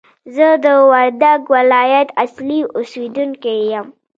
زه د وردګ ولایت اصلي اوسېدونکی یم!